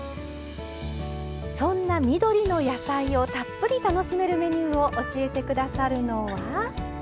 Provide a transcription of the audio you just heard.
そんな緑の野菜をたっぷり楽しめるメニューを教えて下さるのは。